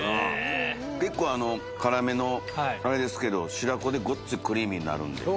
結構辛めのあれですけど白子でごっついクリーミーになるんで。